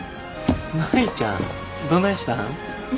舞ちゃんどないしたん？